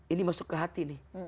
ini masuk ke hati nih